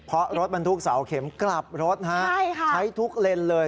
เพราะรถบรรทุกเสาเข็มกลับรถใช้ทุกเลนเลย